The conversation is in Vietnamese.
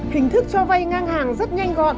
kinh thức cho vay ngân hàng rất nhanh gọn